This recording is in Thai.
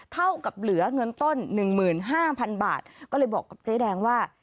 เท่ากับเหลือเงินต้นหนึ่งหมื่นห้าพันบาทก็เลยบอกกับเจ๊แดงว่า